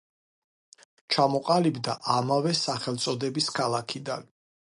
ჩამოყალიბდა ამავე სახელწოდების ქალაქიდან.